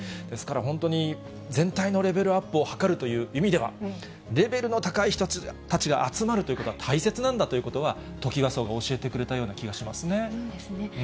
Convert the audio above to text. ですから、本当に全体のレベルアップを図るという意味では、レベルの高い人たちが集まるということは大切なんだということは、トキワ荘が教えてくれたような気がしますね。ですね。